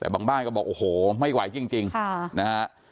แต่บางบ้านก็บอกโอ้โหไม่ไหวจริงนะฮะ